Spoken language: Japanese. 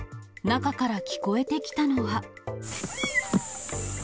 中から聞こえてきたのは。